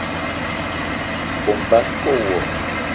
Kome basko wo.